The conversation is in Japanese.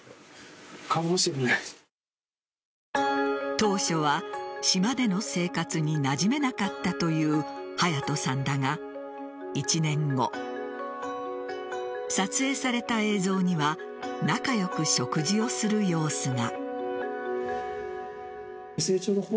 当初は、島での生活になじめなかったという隼都さんだが１年後撮影された映像には仲良く食事をする様子が。